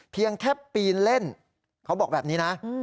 เพียงแค่ปีนเล่นเขาบอกแบบนี้นะ